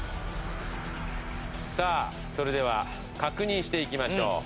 さあそれでは確認していきましょう。